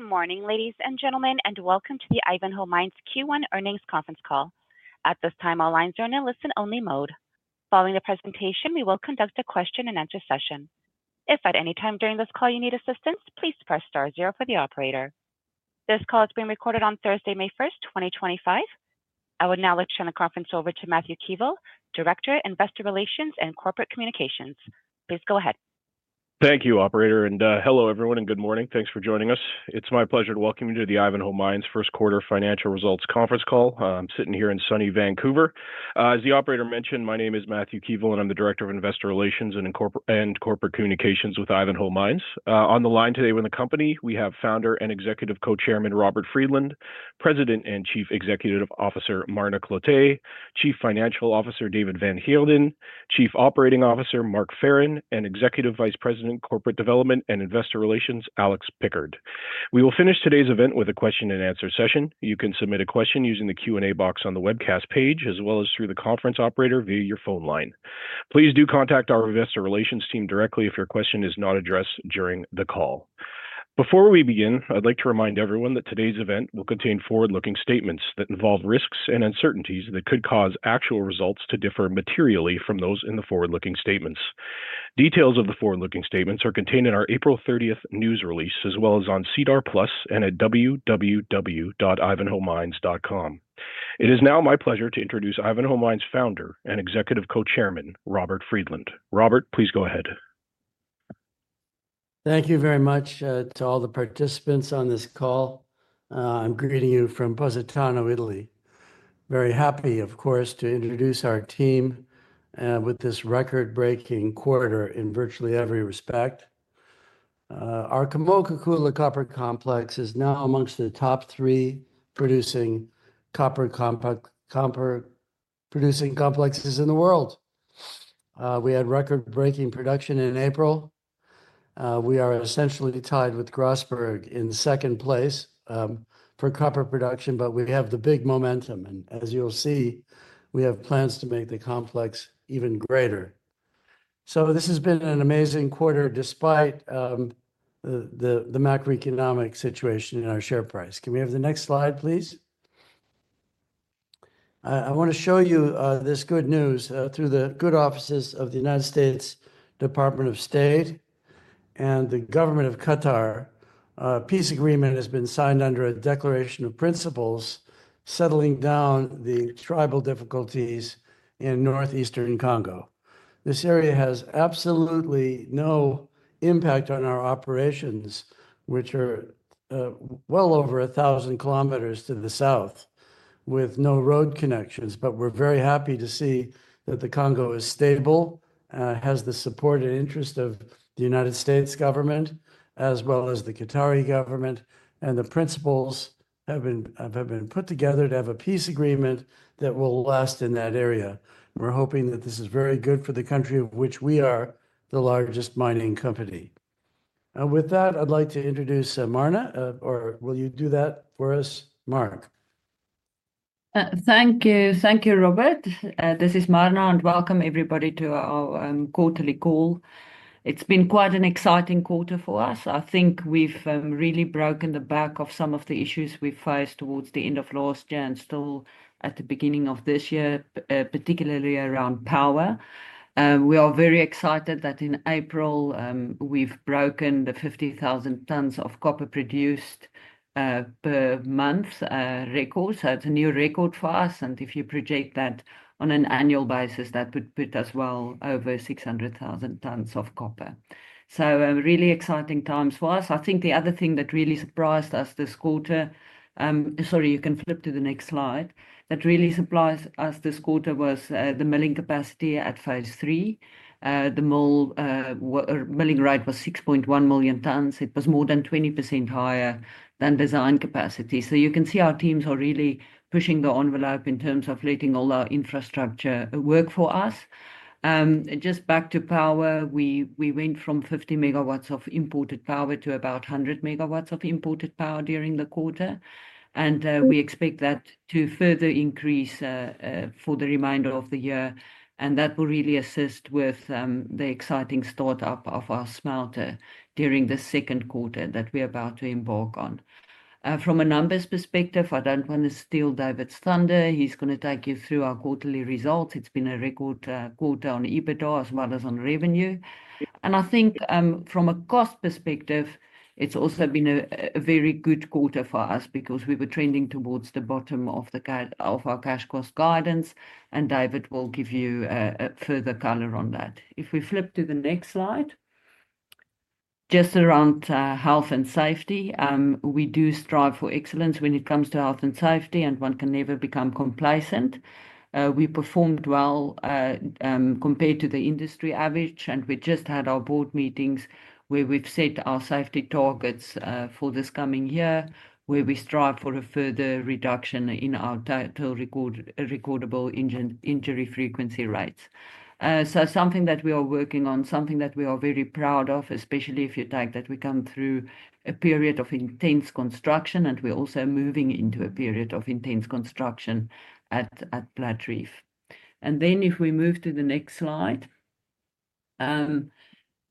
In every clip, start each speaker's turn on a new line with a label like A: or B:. A: Good morning, ladies and gentlemen, and welcome to the Ivanhoe Mines Q1 Earnings Conference Call. At this time, all lines are in a listen-only mode. Following the presentation, we will conduct a question-and-answer session. If at any time during this call you need assistance, please press star zero for the operator. This call is being recorded on Thursday, May 1, 2025. I will now turn the conference over to Matthew Keevil, Director, Investor Relations and Corporate Communications. Please go ahead.
B: Thank you, Operator. Hello, everyone, and good morning. Thanks for joining us. It's my pleasure to welcome you to the Ivanhoe Mines First Quarter Financial Results Conference Call. I'm sitting here in sunny Vancouver. As the Operator mentioned, my name is Matthew Keevil, and I'm the Director of Investor Relations and Corporate Communications with Ivanhoe Mines. On the line today with the company, we have Founder and Executive Co-Chairman Robert Friedland, President and Chief Executive Officer Marna Cloete, Chief Financial Officer David van Heerden, Chief Operating Officer Mark Farren, and Executive Vice President, Corporate Development and Investor Relations, Alex Pickard. We will finish today's event with a question-and-answer session. You can submit a question using the Q&A box on the webcast page, as well as through the conference operator via your phone line. Please do contact our Investor Relations team directly if your question is not addressed during the call. Before we begin, I'd like to remind everyone that today's event will contain forward-looking statements that involve risks and uncertainties that could cause actual results to differ materially from those in the forward-looking statements. Details of the forward-looking statements are contained in our April 30th news release, as well as on SEDAR+ and at www.ivanhoemines.com. It is now my pleasure to introduce Ivanhoe Mines' Founder and Executive Co-Chairman, Robert Friedland. Robert, please go ahead.
C: Thank you very much to all the participants on this call. I'm greeting you from Positano, Italy. Very happy, of course, to introduce our team with this record-breaking quarter in virtually every respect. Our Kamoa-Kakula Copper Complex is now amongst the top three producing copper complexes in the world. We had record-breaking production in April. We are essentially tied with Grasberg in second place for copper production, but we have the big momentum. As you'll see, we have plans to make the complex even greater. This has been an amazing quarter despite the macroeconomic situation in our share price. Can we have the next slide, please? I want to show you this good news through the good offices of the United States Department of State and the Government of Qatar. A peace agreement has been signed under a declaration of principles settling down the tribal difficulties in northeastern Congo. This area has absolutely no impact on our operations, which are well over 1,000 km to the south, with no road connections. We are very happy to see that the Congo is stable, has the support and interest of the United States government, as well as the Qatari government. The principles have been put together to have a peace agreement that will last in that area. We are hoping that this is very good for the country of which we are the largest mining company. With that, I'd like to introduce Marna, or will you do that for us, Mark?
D: Thank you. Thank you, Robert. This is Marna, and welcome everybody to our quarterly call. It's been quite an exciting quarter for us. I think we've really broken the back of some of the issues we faced towards the end of last year and still at the beginning of this year, particularly around power. We are very excited that in April, we've broken the 50,000 tons of copper produced per month record. It's a new record for us. If you project that on an annual basis, that would put us well over 600,000 tons of copper. Really exciting times for us. I think the other thing that really surprised us this quarter—sorry, you can flip to the next slide—that really surprised us this quarter was the milling capacity at Phase 3. The milling rate was 6.1 million tons. It was more than 20% higher than design capacity. You can see our teams are really pushing the envelope in terms of letting all our infrastructure work for us. Just back to power, we went from 50 MW of imported power to about 100 MW of imported power during the quarter. We expect that to further increase for the remainder of the year. That will really assist with the exciting start-up of our smelter during the second quarter that we're about to embark on. From a numbers perspective, I don't want to steal David's thunder. He's going to take you through our quarterly results. It's been a record quarter on EBITDA as well as on revenue. I think from a cost perspective, it's also been a very good quarter for us because we were trending towards the bottom of our cash cost guidance. David will give you further color on that. If we flip to the next slide, just around health and safety, we do strive for excellence when it comes to health and safety, and one can never become complacent. We performed well compared to the industry average. We just had our board meetings where we've set our safety targets for this coming year, where we strive for a further reduction in our total recordable injury frequency rates. Something that we are working on, something that we are very proud of, especially if you take that we come through a period of intense construction, and we're also moving into a period of intense construction at Platreef. If we move to the next slide,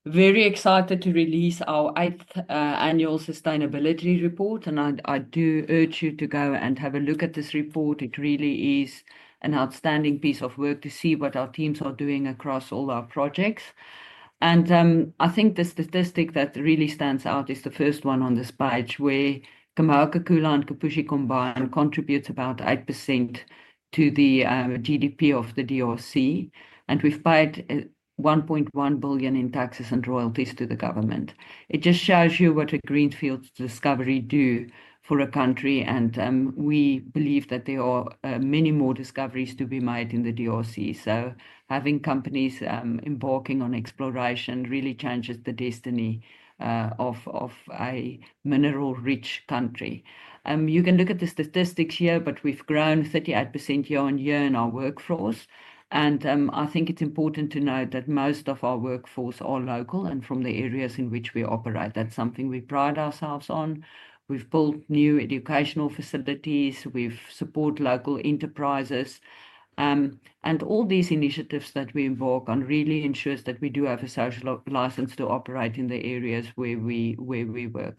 D: very excited to release our annual sustainability report. I do urge you to go and have a look at this report. It really is an outstanding piece of work to see what our teams are doing across all our projects. I think the statistic that really stands out is the first one on this page, where Kamoa-Kakula and Kipushi combined contribute about 8% to the GDP of the DRC. We have paid $1.1 billion in taxes and royalties to the government. It just shows you what a greenfield discovery does for a country. We believe that there are many more discoveries to be made in the DRC. Having companies embarking on exploration really changes the destiny of a mineral-rich country. You can look at the statistics here, but we have grown 38% year-on-year in our workforce. I think it is important to note that most of our workforce are local and from the areas in which we operate. That is something we pride ourselves on. We have built new educational facilities. We have supported local enterprises. All these initiatives that we embark on really ensure that we do have a social license to operate in the areas where we work.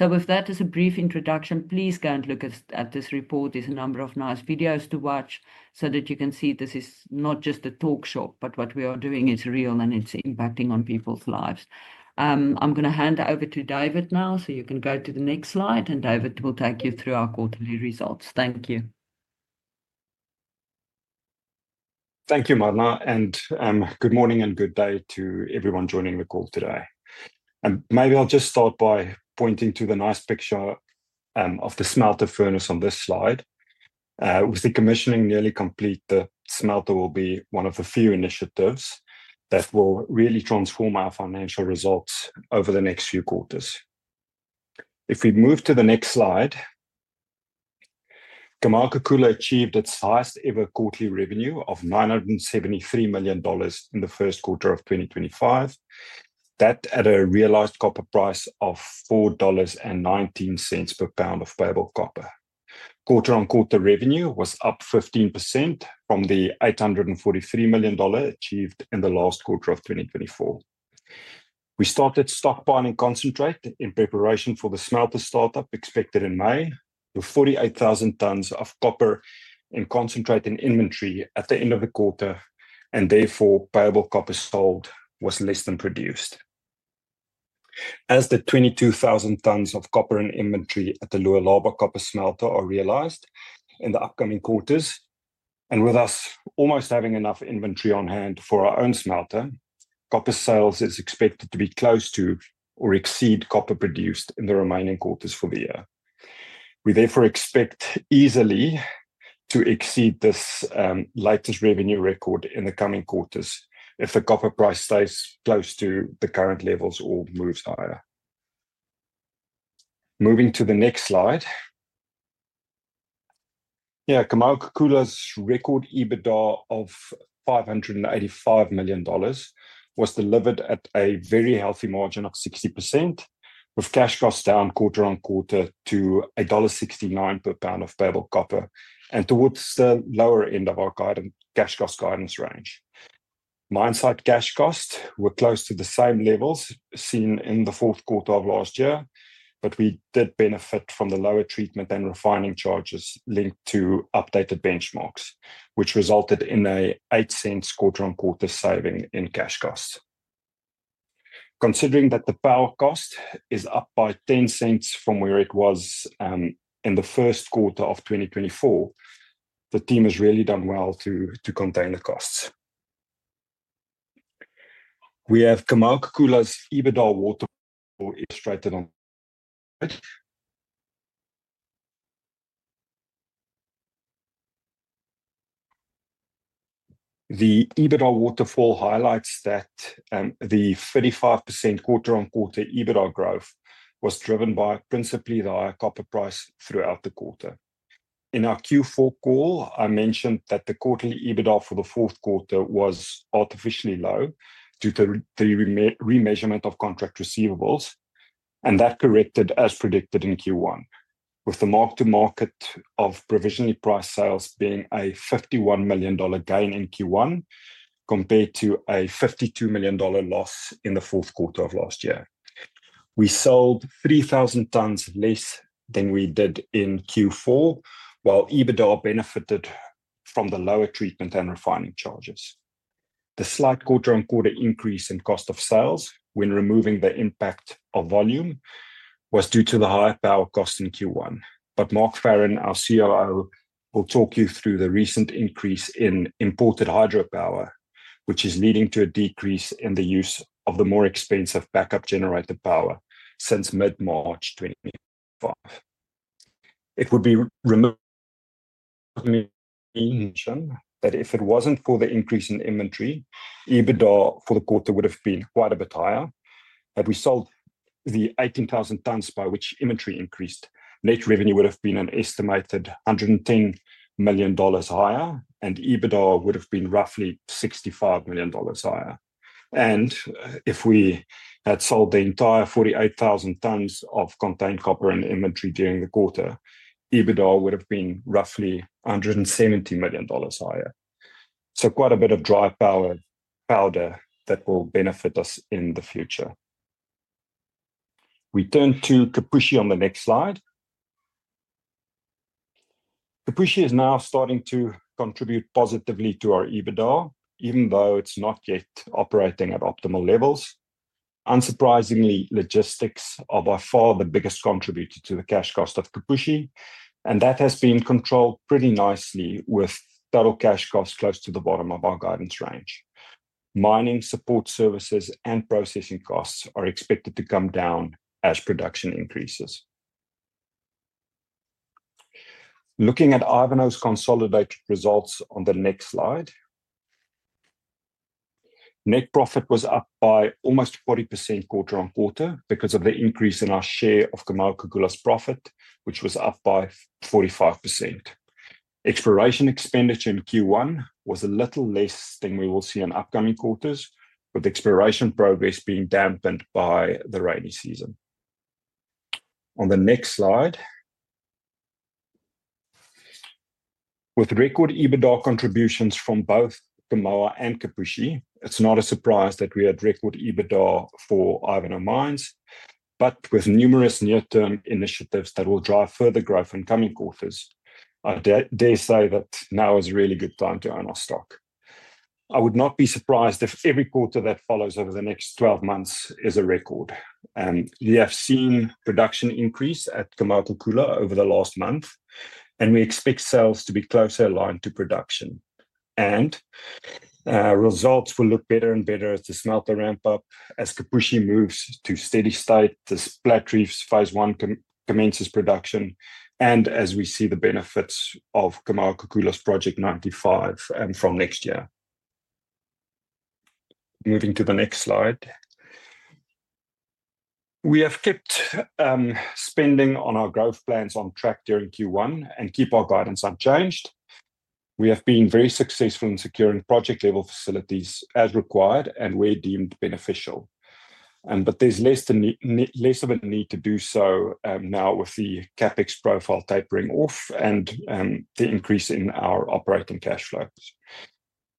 D: With that, as a brief introduction, please go and look at this report. There are a number of nice videos to watch so that you can see this is not just a talk show, but what we are doing is real and it is impacting on people's lives. I am going to hand it over to David now so you can go to the next slide, and David will take you through our quarterly results. Thank you.
E: Thank you, Marna. Good morning and good day to everyone joining the call today. Maybe I'll just start by pointing to the nice picture of the smelter furnace on this slide. With the commissioning nearly complete, the smelter will be one of the few initiatives that will really transform our financial results over the next few quarters. If we move to the next slide, Kamoa-Kakula achieved its highest-ever quarterly revenue of $973 million in the first quarter of 2025. That at a realized copper price of $4.19 per pound of payable copper. Quarter-on-quarter revenue was up 15% from the $843 million achieved in the last quarter of 2024. We started stockpiling concentrate in preparation for the smelter startup expected in May with 48,000 tons of copper in concentrate in inventory at the end of the quarter, and therefore payable copper sold was less than produced. As the 22,000 tons of copper in inventory at the Lualaba Copper Smelter are realized in the upcoming quarters, and with us almost having enough inventory on hand for our own smelter, copper sales is expected to be close to or exceed copper produced in the remaining quarters for the year. We therefore expect easily to exceed this latest revenue record in the coming quarters if the copper price stays close to the current levels or moves higher. Moving to the next slide. Yeah, Kamoa-Kakula's record EBITDA of $585 million was delivered at a very healthy margin of 60%, with cash costs down quarter-on-quarter to $1.69 per pound of payable copper and towards the lower end of our cash cost guidance range. Mine site cash costs were close to the same levels seen in the fourth quarter of last year, but we did benefit from the lower treatment and refining charges linked to updated benchmarks, which resulted in an $0.08 quarter-on-quarter saving in cash costs. Considering that the power cost is up by $0.10 from where it was in the first quarter of 2024, the team has really done well to contain the costs. We have Kamoa-Kakula's EBITDA waterfall illustrated on the slide. The EBITDA waterfall highlights that the 35% quarter-on-quarter EBITDA growth was driven by principally the higher copper price throughout the quarter. In our Q4 call, I mentioned that the quarterly EBITDA for the fourth quarter was artificially low due to the remeasurement of contract receivables, and that corrected as predicted in Q1, with the mark-to-market of provisionally priced sales being a $51 million gain in Q1 compared to a $52 million loss in the fourth quarter of last year. We sold 3,000 tons less than we did in Q4, while EBITDA benefited from the lower treatment and refining charges. The slight quarter-on-quarter increase in cost of sales when removing the impact of volume was due to the higher power cost in Q1. Mark Farren, our COO, will talk you through the recent increase in imported hydropower, which is leading to a decrease in the use of the more expensive backup generator power since mid-March 2025. It would be remarkable to mention that if it was not for the increase in inventory, EBITDA for the quarter would have been quite a bit higher. Had we sold the 18,000 tons by which inventory increased, net revenue would have been an estimated $110 million higher, and EBITDA would have been roughly $65 million higher. If we had sold the entire 48,000 tons of contained copper in inventory during the quarter, EBITDA would have been roughly $170 million higher. Quite a bit of dry powder that will benefit us in the future. We turn to Kipushi on the next slide. Kipushi is now starting to contribute positively to our EBITDA, even though it is not yet operating at optimal levels. Unsurprisingly, logistics are by far the biggest contributor to the cash cost of Kipushi, and that has been controlled pretty nicely with total cash costs close to the bottom of our guidance range. Mining support services and processing costs are expected to come down as production increases. Looking at Ivanhoe's consolidated results on the next slide, net profit was up by almost 40% quarter-on-quarter because of the increase in our share of Kamoa-Kakula's profit, which was up by 45%. Exploration expenditure in Q1 was a little less than we will see in upcoming quarters, with exploration progress being dampened by the rainy season. On the next slide, with record EBITDA contributions from both Kamoa and Kipushi, it's not a surprise that we had record EBITDA for Ivanhoe Mines, but with numerous near-term initiatives that will drive further growth in coming quarters, I dare say that now is a really good time to own our stock. I would not be surprised if every quarter that follows over the next 12 months is a record. We have seen production increase at Kamoa-Kakula over the last month, and we expect sales to be closer aligned to production. Results will look better and better as the smelter ramps up, as Kipushi moves to steady state, as Platreef's Phase 1 commences production, and as we see the benefits of Kamoa-Kakula's Project 95 from next year. Moving to the next slide. We have kept spending on our growth plans on track during Q1 and keep our guidance unchanged. We have been very successful in securing project-level facilities as required and where deemed beneficial. There is less of a need to do so now with the CapEx profile tapering off and the increase in our operating cash flow.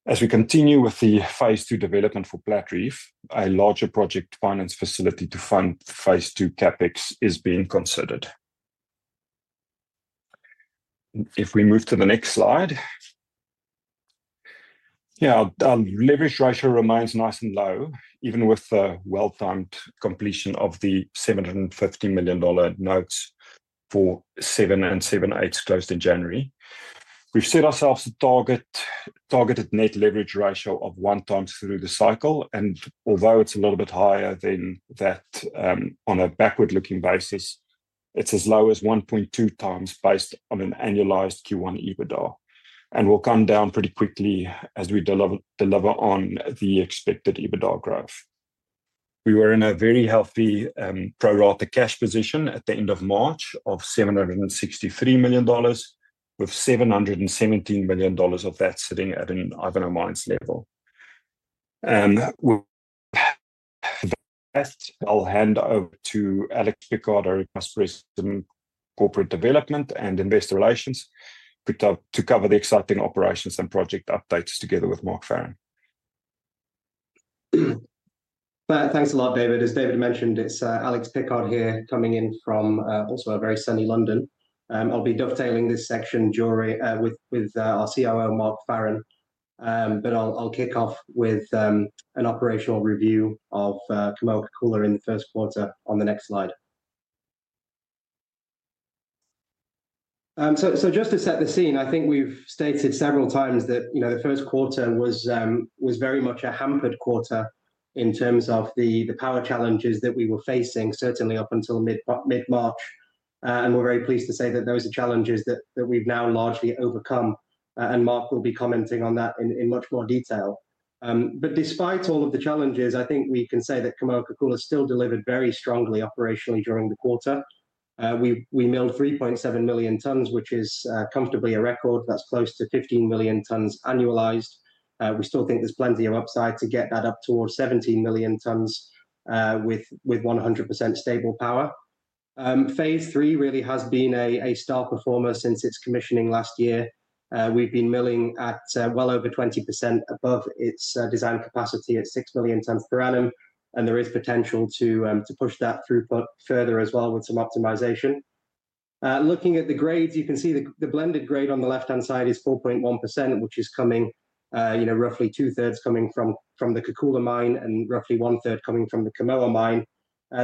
E: As we continue with the Phase 2 development for Platreef, a larger project finance facility to fund Phase 2 CapEx is being considered. If we move to the next slide. Yeah, our leverage ratio remains nice and low, even with the well-timed completion of the $750 million notes for 7.875% closed in January. We've set ourselves a targeted net leverage ratio of 1x through the cycle. Although it's a little bit higher than that on a backward-looking basis, it's as low as 1.2x based on an annualized Q1 EBITDA. It will come down pretty quickly as we deliver on the expected EBITDA growth. We were in a very healthy pro-rata cash position at the end of March of $763 million, with $717 million of that sitting at an Ivanhoe Mines level. I'll hand over to Alex Pickard, Executive Vice President, Corporate Development and Investor Relations, to cover the exciting operations and project updates together with Mark Farren.
F: Thanks a lot, David. As David mentioned, it's Alex Pickard here coming in from also a very sunny London. I'll be dovetailing this section with our COO, Mark Farren. I'll kick off with an operational review of Kamoa-Kakula in the first quarter on the next slide. Just to set the scene, I think we've stated several times that the first quarter was very much a hampered quarter in terms of the power challenges that we were facing, certainly up until mid-March. We're very pleased to say that those are challenges that we've now largely overcome. Mark will be commenting on that in much more detail. Despite all of the challenges, I think we can say that Kamoa-Kakula still delivered very strongly operationally during the quarter. We milled 3.7 million tons, which is comfortably a record. That's close to 15 million tons annualized. We still think there is plenty of upside to get that up towards 17 million tons with 100% stable power. Phase 3 really has been a star performer since its commissioning last year. We have been milling at well over 20% above its design capacity at 6 million tons per annum. There is potential to push that through further as well with some optimization. Looking at the grades, you can see the blended grade on the left-hand side is 4.1%, which is coming roughly two-thirds from the Kakula mine and roughly one-third from the Kamoa mine.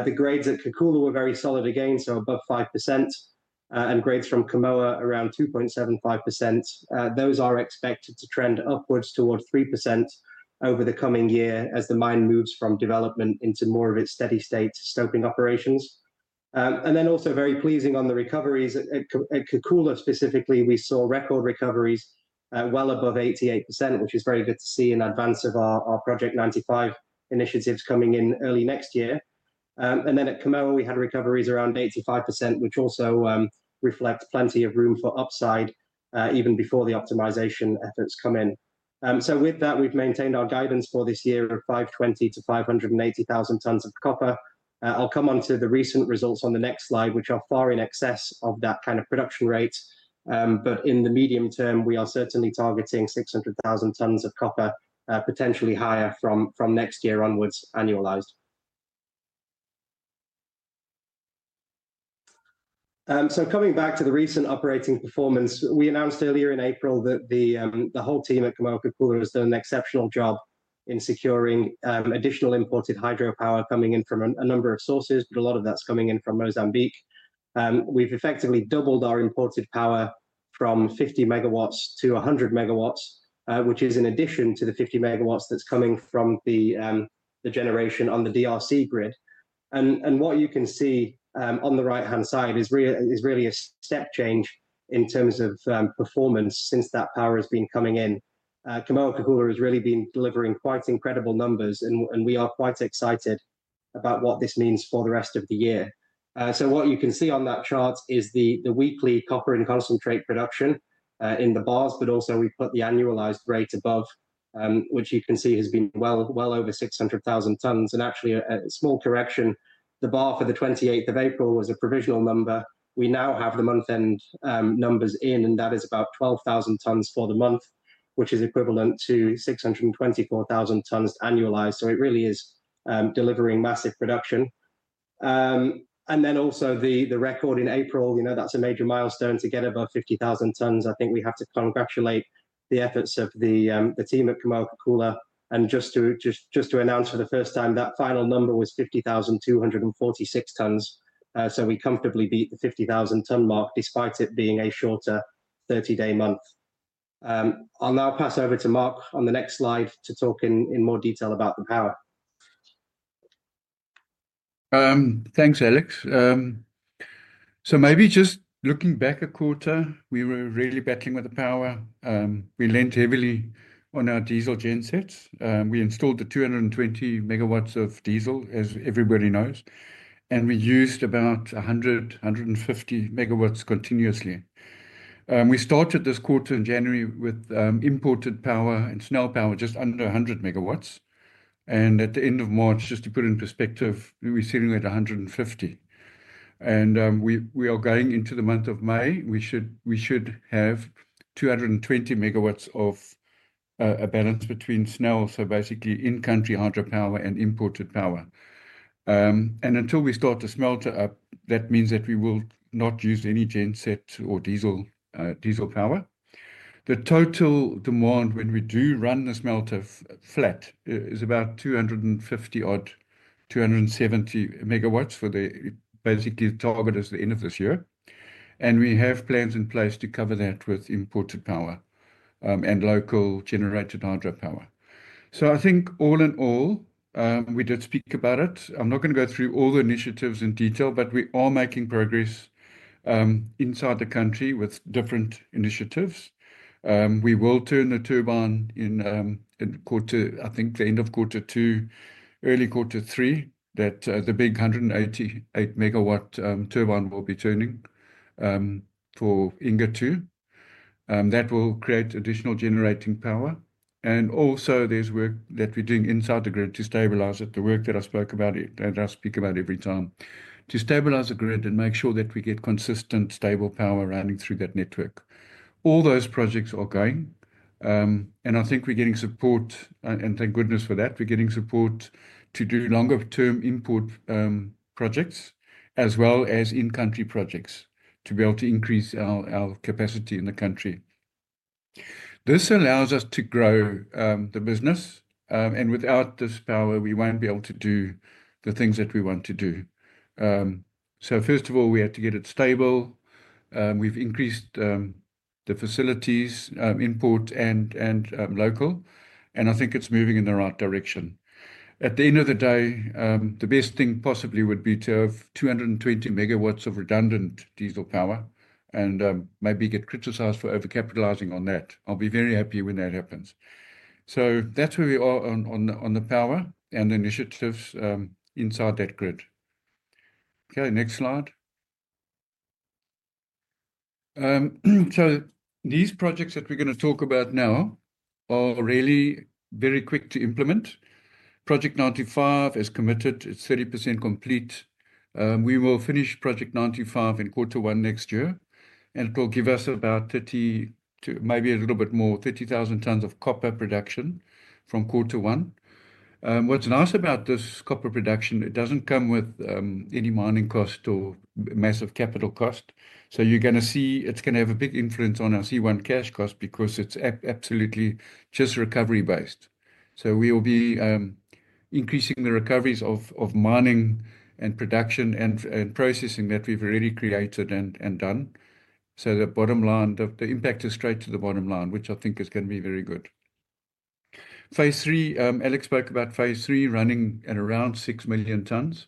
F: The grades at Kakula were very solid again, so above 5%, and grades from Kamoa around 2.75%. Those are expected to trend upwards towards 3% over the coming year as the mine moves from development into more of its steady-state stoping operations. Also very pleasing on the recoveries. At Kakula specifically, we saw record recoveries well above 88%, which is very good to see in advance of our Project 95 initiatives coming in early next year. At Kamoa, we had recoveries around 85%, which also reflects plenty of room for upside even before the optimization efforts come in. With that, we've maintained our guidance for this year of 520,000-580,000 tons of copper. I'll come on to the recent results on the next slide, which are far in excess of that kind of production rate. In the medium term, we are certainly targeting 600,000 tons of copper, potentially higher from next year onwards annualized. Coming back to the recent operating performance, we announced earlier in April that the whole team at Kamoa-Kakula has done an exceptional job in securing additional imported hydropower coming in from a number of sources, but a lot of that is coming in from Mozambique. We have effectively doubled our imported power from 50 MW to 100 MW, which is in addition to the 50 MW that is coming from the generation on the DRC grid. What you can see on the right-hand side is really a step change in terms of performance since that power has been coming in. Kamoa-Kakula has really been delivering quite incredible numbers, and we are quite excited about what this means for the rest of the year. What you can see on that chart is the weekly copper and concentrate production in the bars, but also we have put the annualized rate above, which you can see has been well over 600,000 tons. Actually, a small correction, the bar for the 28th of April was a provisional number. We now have the month-end numbers in, and that is about 12,000 tons for the month, which is equivalent to 624,000 tons annualized. It really is delivering massive production. Also, the record in April, that is a major milestone to get above 50,000 tons. I think we have to congratulate the efforts of the team at Kamoa-Kakula. Just to announce for the first time, that final number was 50,246 tons. We comfortably beat the 50,000-ton mark despite it being a shorter 30-day month. I'll now pass over to Mark on the next slide to talk in more detail about the power.
G: Thanks, Alex. Maybe just looking back a quarter, we were really battling with the power. We leaned heavily on our diesel gensets. We installed the 220 MW of diesel, as everybody knows, and we used about 100-150 MW continuously. We started this quarter in January with imported power and SNEL power just under 100 MW. At the end of March, just to put it in perspective, we simulated 150. We are going into the month of May. We should have 220 MW of a balance between SNEL, so basically in-country hydropower, and imported power. Until we start the smelter up, that means that we will not use any genset or diesel power. The total demand when we do run the smelter flat is about 250-270 MW. The basically target is the end of this year. We have plans in place to cover that with imported power and locally generated hydropower. I think all in all, we did speak about it. I'm not going to go through all the initiatives in detail, but we are making progress inside the country with different initiatives. We will turn the turbine in quarter, I think the end of quarter two, early quarter three, that the big 188 MW turbine will be turning for Inga II. That will create additional generating power. There is also work that we're doing inside the grid to stabilize it, the work that I spoke about and I speak about every time to stabilize the grid and make sure that we get consistent, stable power running through that network. All those projects are going. I think we're getting support, and thank goodness for that, we're getting support to do longer-term import projects as well as in-country projects to be able to increase our capacity in the country. This allows us to grow the business. Without this power, we won't be able to do the things that we want to do. First of all, we had to get it stable. We've increased the facilities, import and local. I think it's moving in the right direction. At the end of the day, the best thing possibly would be to have 220 MW of redundant diesel power and maybe get criticized for over-capitalizing on that. I'll be very happy when that happens. That's where we are on the power and initiatives inside that grid. Okay, next slide. These projects that we're going to talk about now are really very quick to implement. Project 95 is committed. It's 30% complete. We will finish Project 95 in quarter one next year. It will give us about 30, maybe a little bit more, 30,000 tons of copper production from quarter one. What's nice about this copper production, it doesn't come with any mining cost or massive capital cost. You're going to see it's going to have a big influence on our C1 cash cost because it's absolutely just recovery-based. We will be increasing the recoveries of mining and production and processing that we've already created and done. The bottom line, the impact is straight to the bottom line, which I think is going to be very good. Phase 3, Alex spoke about Phase 3 running at around 6 million tons.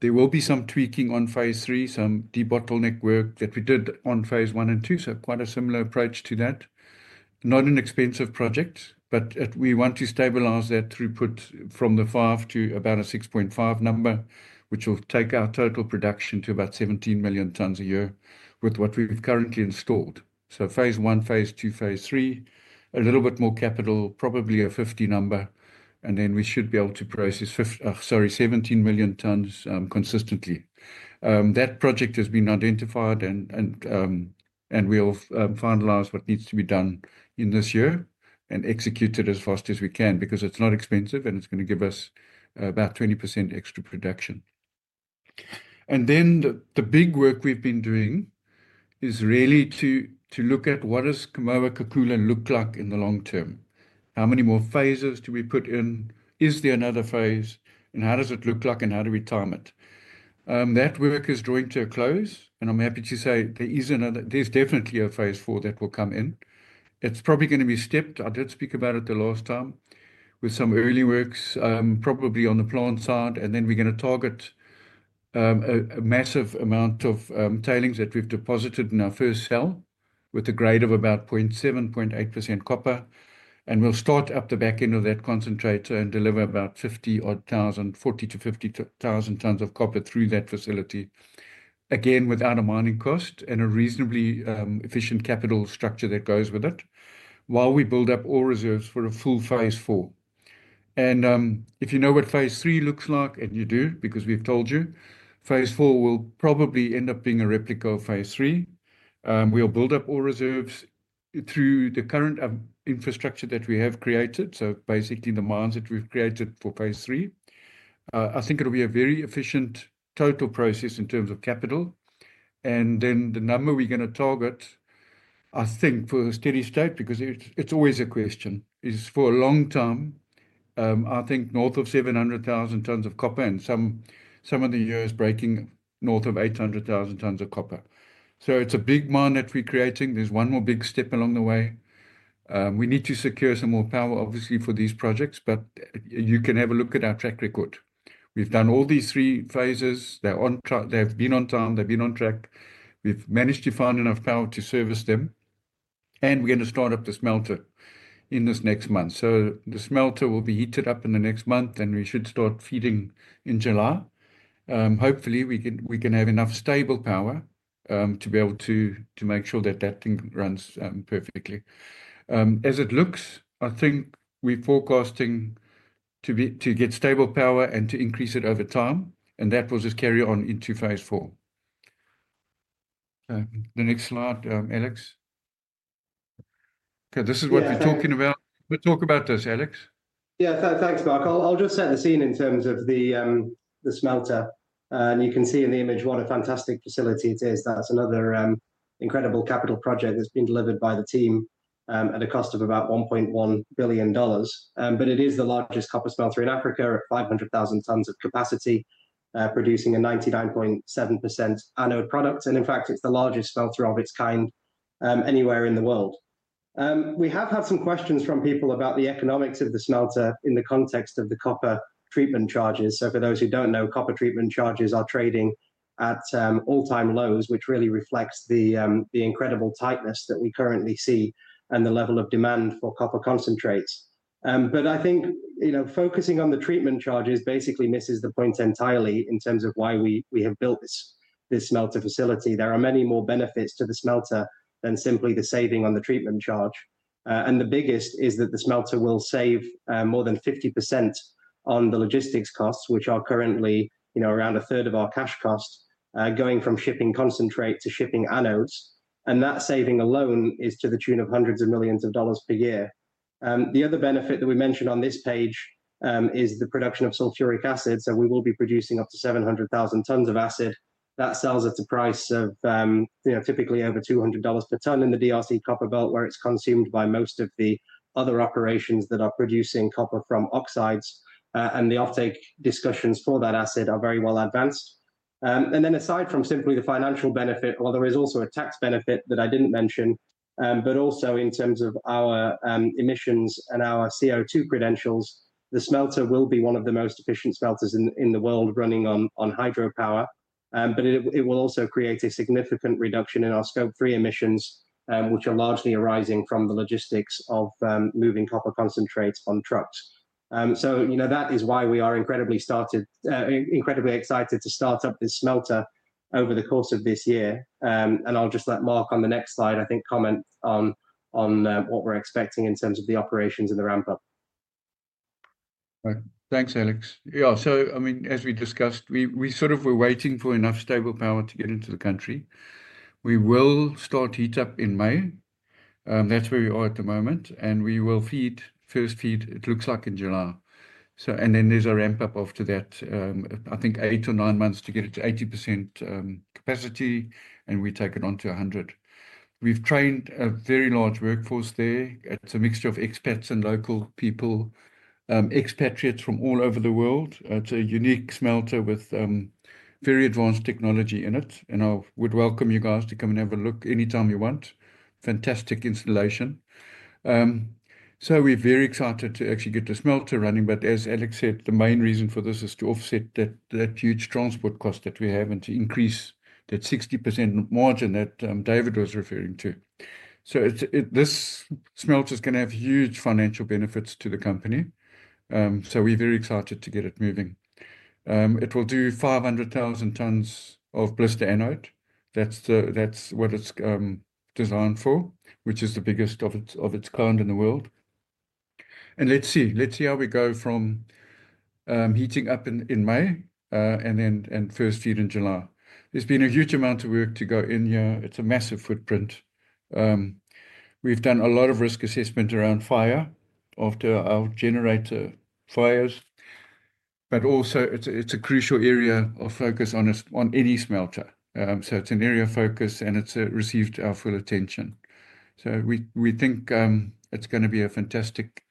G: There will be some tweaking on Phase 3, some debottleneck work that we did on Phase 1 and 2, so quite a similar approach to that. Not an expensive project, but we want to stabilize that throughput from the five to about a 6.5 number, which will take our total production to about 17 million tons a year with what we've currently installed. Phase 1, Phase 2, Phase 3, a little bit more capital, probably a $50 million number. We should be able to process 17 million tons consistently. That project has been identified and we'll finalize what needs to be done in this year and execute it as fast as we can because it's not expensive and it's going to give us about 20% extra production. The big work we have been doing is really to look at what Kamoa-Kakula looks like in the long term. How many more phases do we put in? Is there another phase? How does it look and how do we time it? That work is drawing to a close. I am happy to say there is another, there is definitely a Phase 4 that will come in. It is probably going to be stepped. I did speak about it the last time with some early works, probably on the plant side. We are going to target a massive amount of tailings that we have deposited in our first cell with a grade of about 0.7-0.8% copper. We will start up the back end of that concentrator and deliver about 40,000-50,000 tons of copper through that facility. Again, without a mining cost and a reasonably efficient capital structure that goes with it while we build up all reserves for a full Phase 4. If you know what Phase 3 looks like and you do, because we've told you, Phase 4 will probably end up being a replica of Phase 3. We'll build up all reserves through the current infrastructure that we have created. Basically the mines that we've created for Phase 3, I think it'll be a very efficient total process in terms of capital. The number we're going to target, I think for a steady state, because it's always a question, is for a long term, I think north of 700,000 tons of copper and some of the years breaking north of 800,000 tons of copper. It's a big mine that we're creating. There's one more big step along the way. We need to secure some more power, obviously, for these projects, but you can have a look at our track record. We've done all these three phases. They've been on time. They've been on track. We've managed to find enough power to service them. We're going to start up the smelter in this next month. The smelter will be heated up in the next month, and we should start feeding in July. Hopefully, we can have enough stable power to be able to make sure that that thing runs perfectly. As it looks, I think we're forecasting to get stable power and to increase it over time. That will just carry on into Phase 4. The next slide, Alex. Okay, this is what we're talking about. We'll talk about this, Alex.
F: Yeah, thanks, Mark. I'll just set the scene in terms of the smelter. You can see in the image what a fantastic facility it is. That's another incredible capital project that's been delivered by the team at a cost of about $1.1 billion. It is the largest copper smelter in Africa at 500,000 tons of capacity, producing a 99.7% anode product. In fact, it's the largest smelter of its kind anywhere in the world. We have had some questions from people about the economics of the smelter in the context of the copper treatment charges. For those who don't know, copper treatment charges are trading at all-time lows, which really reflects the incredible tightness that we currently see and the level of demand for copper concentrates. I think focusing on the treatment charges basically misses the point entirely in terms of why we have built this smelter facility. There are many more benefits to the smelter than simply the saving on the treatment charge. The biggest is that the smelter will save more than 50% on the logistics costs, which are currently around a third of our cash cost, going from shipping concentrate to shipping anodes. That saving alone is to the tune of hundreds of millions of dollars per year. The other benefit that we mentioned on this page is the production of sulfuric acid. We will be producing up to 700,000 tons of acid. That sells at a price of typically over $200 per ton in the DRC Copperbelt, where it is consumed by most of the other operations that are producing copper from oxides. The offtake discussions for that acid are very well advanced. Aside from simply the financial benefit, there is also a tax benefit that I did not mention, but also in terms of our emissions and our CO2 credentials, the smelter will be one of the most efficient smelters in the world running on hydropower. It will also create a significant reduction in our Scope 3 emissions, which are largely arising from the logistics of moving copper concentrates on trucks. That is why we are incredibly excited to start up this smelter over the course of this year. I will just let Mark on the next slide, I think, comment on what we are expecting in terms of the operations and the ramp-up.
G: Thanks, Alex. Yeah, I mean, as we discussed, we sort of were waiting for enough stable power to get into the country. We will start heat-up in May. That is where we are at the moment. We will feed, first feed, it looks like in July. There is a ramp-up after that, I think eight or nine months to get it to 80% capacity, and we take it on to 100%. We have trained a very large workforce there. It is a mixture of expats and local people, expatriates from all over the world. It is a unique smelter with very advanced technology in it. I would welcome you guys to come and have a look anytime you want. Fantastic installation. We are very excited to actually get the smelter running. As Alex said, the main reason for this is to offset that huge transport cost that we have and to increase that 60% margin that David was referring to. This smelter is going to have huge financial benefits to the company. We are very excited to get it moving. It will do 500,000 tons of blister anode. That is what it is designed for, which is the biggest of its kind in the world. Let's see how we go from heating up in May and first feed in July. There has been a huge amount of work to go in here. It is a massive footprint. We have done a lot of risk assessment around fire after our generator fires. It is also a crucial area of focus on any smelter. It is an area of focus and it has received our full attention. We think it's going to be a fantastic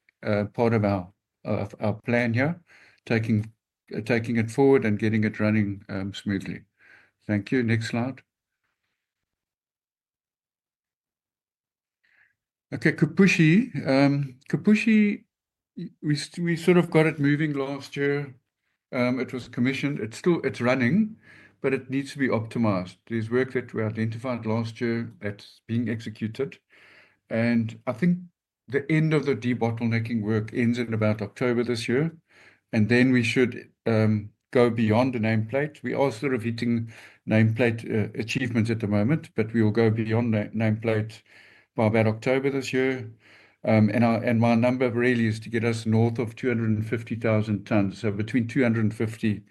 G: part of our plan here, taking it forward and getting it running smoothly. Thank you. Next slide. Okay, Kipushi. Kipushi, we sort of got it moving last year. It was commissioned. It's running, but it needs to be optimized. There's work that we identified last year that's being executed. I think the end of the debottlenecking work ends in about October this year. We should go beyond the nameplate. We are sort of hitting nameplate achievements at the moment, but we will go beyond the nameplate by about October this year. My number really is to get us north of 250,000 tons. Between 250,000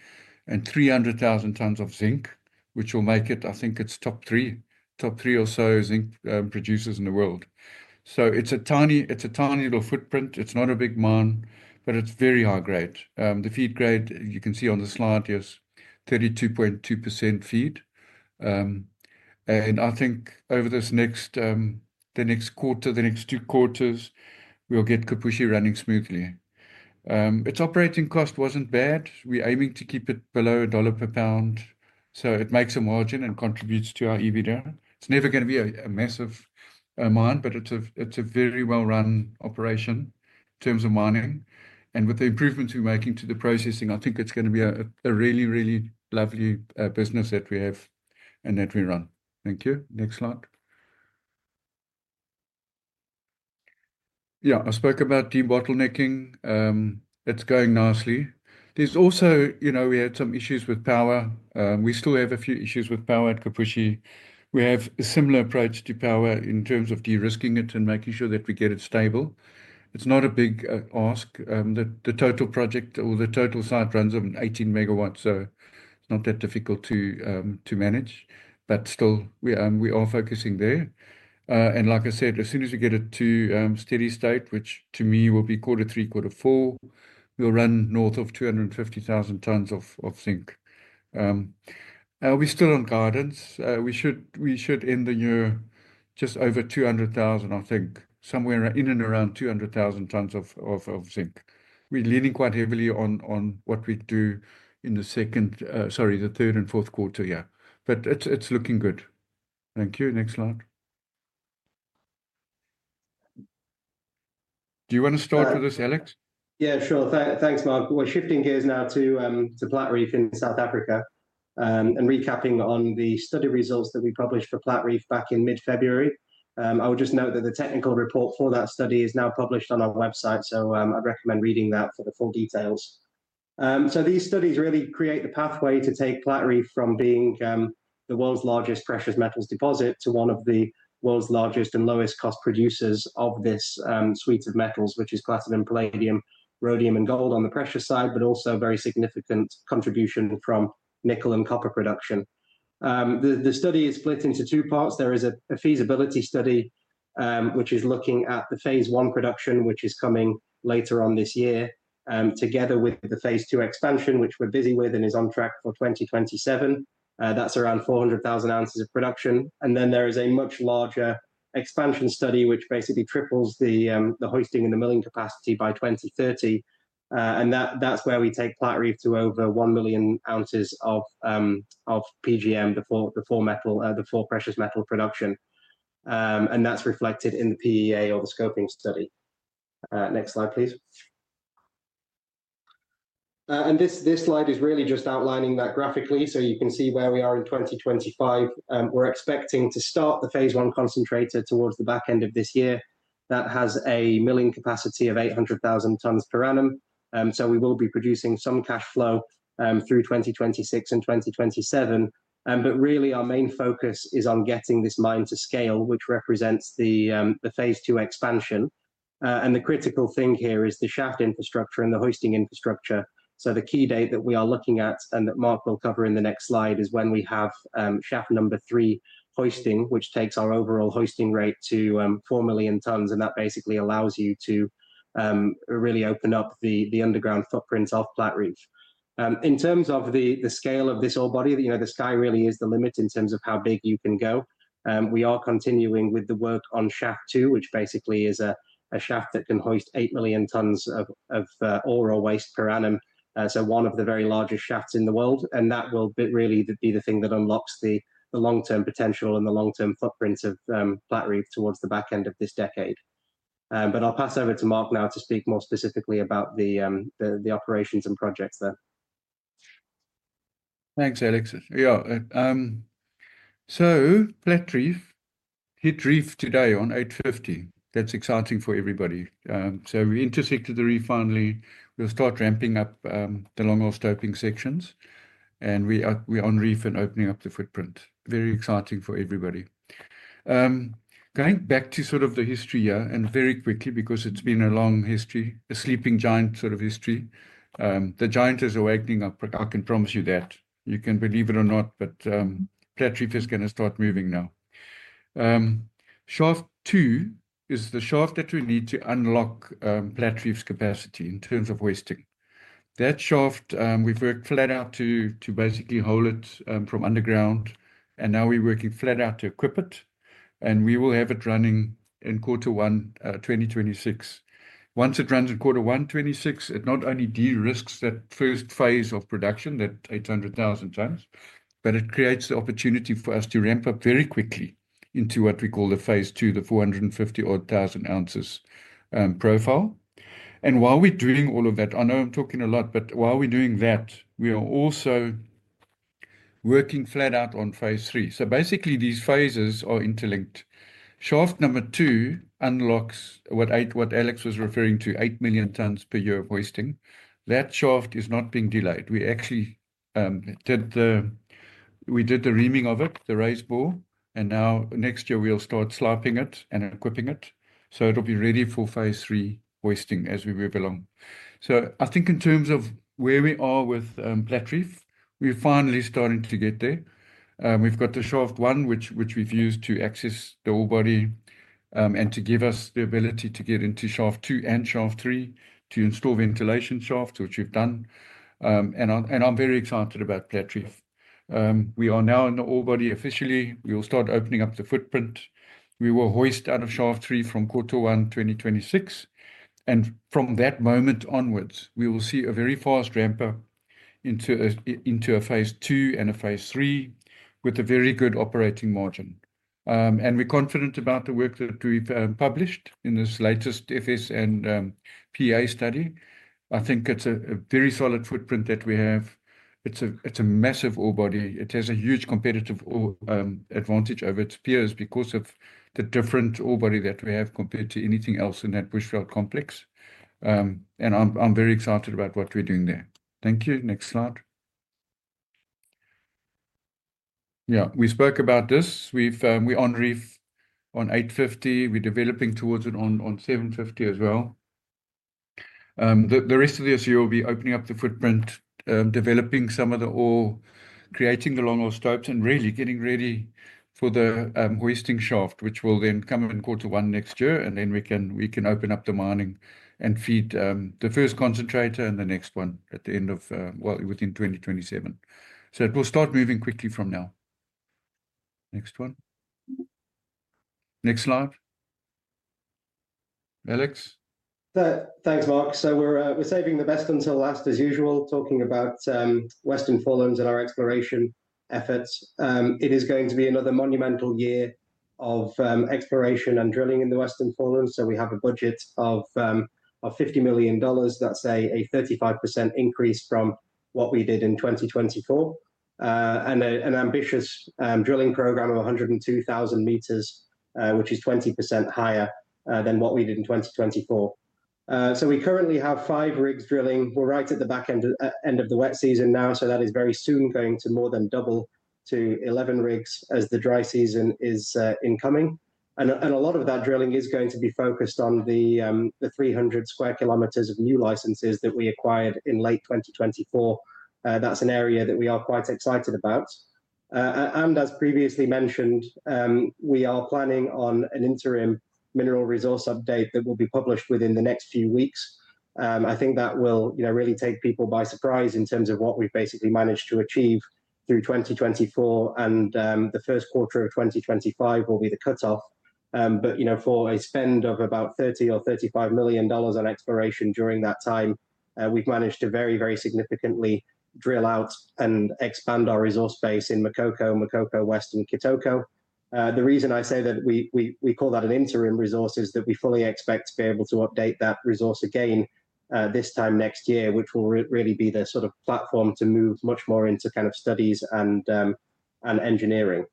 G: and 300,000 tons of zinc, which will make it, I think, top three, top three or so zinc producers in the world. It's a tiny little footprint. It's not a big mine, but it's very high grade. The feed grade, you can see on the slide, is 32.2% feed. I think over this next quarter, the next two quarters, we'll get Kipushi running smoothly. Its operating cost wasn't bad. We're aiming to keep it below $1 per pound. It makes a margin and contributes to our EBITDA. It's never going to be a massive mine, but it's a very well-run operation in terms of mining. With the improvements we're making to the processing, I think it's going to be a really, really lovely business that we have and that we run. Thank you. Next slide. I spoke about debottlenecking. It's going nicely. There's also, you know, we had some issues with power. We still have a few issues with power at Kipushi. We have a similar approach to power in terms of de-risking it and making sure that we get it stable. It is not a big ask. The total project or the total site runs on 18 MW. It is not that difficult to manage. Still, we are focusing there. Like I said, as soon as we get it to steady state, which to me will be quarter three, quarter four, we will run north of 250,000 tons of zinc. Are we still on guidance? We should end the year just over 200,000, I think, somewhere in and around 200,000 tons of zinc. We are leaning quite heavily on what we do in the second, sorry, the third and fourth quarter, yeah. It is looking good. Thank you. Next slide. Do you want to start with this, Alex?
F: Yeah, sure. Thanks, Mark. We're shifting gears now to Platreef in South Africa and recapping on the study results that we published for Platreef back in mid-February. I would just note that the technical report for that study is now published on our website. I recommend reading that for the full details. These studies really create the pathway to take Platreef from being the world's largest precious metals deposit to one of the world's largest and lowest cost producers of this suite of metals, which is platinum, palladium, rhodium, and gold on the precious side, but also a very significant contribution from nickel and copper production. The study is split into two parts. There is a feasibility study, which is looking at the Phase 1 production, which is coming later on this year, together with the Phase 2 expansion, which we're busy with and is on track for 2027. That is around 400,000 ounces of production. There is a much larger expansion study, which basically triples the hoisting and the milling capacity by 2030. That is where we take Platreef to over 1 million ounces of PGM, the four precious metal production. That is reflected in the PEA or the scoping study. Next slide, please. This slide is really just outlining that graphically. You can see where we are in 2025. We are expecting to start the Phase 1 concentrator towards the back end of this year. That has a milling capacity of 800,000 tons per annum. We will be producing some cash flow through 2026 and 2027. Really, our main focus is on getting this mine to scale, which represents the Phase 2 expansion. The critical thing here is the shaft infrastructure and the hoisting infrastructure. The key date that we are looking at and that Mark will cover in the next slide is when we have Shaft 3 hoisting, which takes our overall hoisting rate to 4 million tons. That basically allows you to really open up the underground footprints off Platreef. In terms of the scale of this ore body, the sky really is the limit in terms of how big you can go. We are continuing with the work on Shaft 2, which basically is a shaft that can hoist 8 million tons of ore or waste per annum. One of the very largest shafts in the world. That will really be the thing that unlocks the long-term potential and the long-term footprint of Platreef towards the back end of this decade. I'll pass over to Mark now to speak more specifically about the operations and projects there.
G: Thanks, Alex. Yeah. Platreef hit reef today on 850. That's exciting for everybody. We intersected the reef finally. We'll start ramping up the long-hole stoping sections. We're on reef and opening up the footprint. Very exciting for everybody. Going back to sort of the history here, and very quickly, because it's been a long history, a sleeping giant sort of history. The giant is awakening up. I can promise you that. You can believe it or not, but Platreef is going to start moving now. Shaft 2 is the shaft that we need to unlock Platreef's capacity in terms of hoisting. That shaft, we've worked flat out to basically hole it from underground. Now we're working flat out to equip it. We will have it running in quarter one, 2026. Once it runs in quarter one, 2026, it not only de-risks that first phase of production, that 800,000 tons, but it creates the opportunity for us to ramp up very quickly into what we call the Phase 2, the 450,000 ounces profile. While we're doing all of that, I know I'm talking a lot, but while we're doing that, we are also working flat out on Phase 3. Basically, these phases are interlinked. Shaft number two unlocks what Alex was referring to, 8 million tons per year of hoisting. That shaft is not being delayed. We actually did the reaming of it, the raise bore. Next year, we'll start sliping it and equipping it. It will be ready for Phase 3 hoisting as we move along. I think in terms of where we are with Platreef, we're finally starting to get there. We've got the Shaft 1, which we've used to access the ore body and to give us the ability to get into Shaft 2 and Shaft 3 to install ventilation shafts, which we've done. I am very excited about Platreef. We are now in the ore body officially. We will start opening up the footprint. We will hoist out of Shaft 3 from quarter one, 2026. From that moment onwards, we will see a very fast ramp-up into a Phase 2 and a Phase 3 with a very good operating margin. We are confident about the work that we've published in this latest FS and PEA study. I think it's a very solid footprint that we have. It's a massive ore body. It has a huge competitive advantage over its peers because of the different ore body that we have compared to anything else in that Bushveld Complex. I'm very excited about what we're doing there. Thank you. Next slide. Yeah, we spoke about this. We're on reef on 850. We're developing towards it on 750 as well. The rest of this year, we'll be opening up the footprint, developing some of the ore, creating the long-hole stopes, and really getting ready for the hoisting shaft, which will then come in quarter one next year. We can open up the mining and feed the first concentrator and the next one at the end of, well, within 2027. It will start moving quickly from now. Next one. Next slide. Alex.
F: Thanks, Mark. We're saving the best until last as usual, talking about Western Forelands and our exploration efforts. It is going to be another monumental year of exploration and drilling in the Western Forelands. We have a budget of $50 million. That's a 35% increase from what we did in 2024 and an ambitious drilling program of 102,000 meters, which is 20% higher than what we did in 2024. We currently have five rigs drilling. We're right at the back end of the wet season now. That is very soon going to more than double to 11 rigs as the dry season is incoming. A lot of that drilling is going to be focused on the 300 sq km of new licenses that we acquired in late 2024. That's an area that we are quite excited about. As previously mentioned, we are planning on an interim mineral resource update that will be published within the next few weeks. I think that will really take people by surprise in terms of what we have basically managed to achieve through 2024. The first quarter of 2025 will be the cutoff. For a spend of about $30 million or $35 million on exploration during that time, we have managed to very, very significantly drill out and expand our resource base in Makoko, Makoko West, and Kitoko. The reason I say that we call that an interim resource is that we fully expect to be able to update that resource again this time next year, which will really be the sort of platform to move much more into kind of studies and engineering.